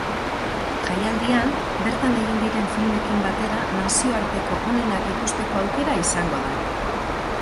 Jaialdian, bertan egin diren filmekin batera nazioarteko onenak ikusteko aukera izango da.